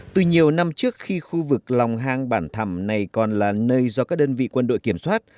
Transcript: từ nhiều năm trước khi khu vực lòng hang bản thẳm này còn là nơi do các đơn vị quân đội kiểm soát